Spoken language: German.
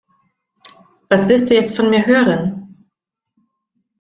Was willst du jetzt von mir hören?